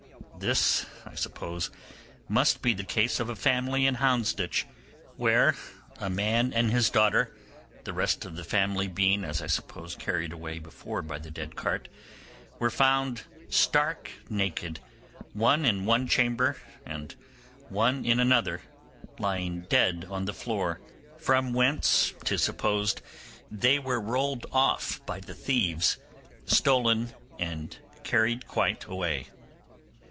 This, I suppose, must be the case of a family in Houndsditch, where a man and his daughter, the rest of the family being, as I suppose, carried away before by the dead cart, were found stark naked, one in one chamber and one in another, lying dead on the floor, and the clothes of the beds, from whence 'tis supposed they were rolled off by thieves, stolen and carried quite away.